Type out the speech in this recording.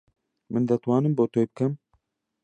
من دەتوانم بۆ تۆی بکەم.